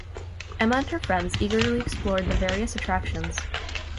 Emma and her friends eagerly explored the various attractions.